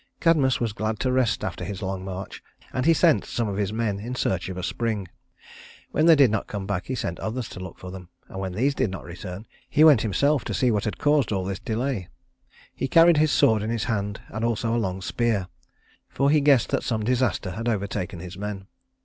Cadmus was glad to rest after his long march, and he sent some of his men in search of a spring. When they did not come back, he sent others to look for them, and when these did not return, he went himself to see what had caused all this delay. He carried his sword in his hand, and also a long spear, for he guessed that some disaster had overtaken his men.